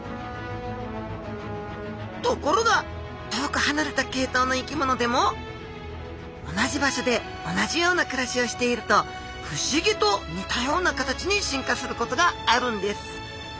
ところが遠くはなれた系統の生き物でも同じ場所で同じような暮らしをしていると不思議と似たような形に進化することがあるんです。